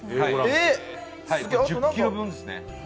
１０ｋｇ分ですね。